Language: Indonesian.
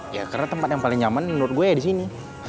ya karena tempat yang paling nyaman menurut gue ya di sini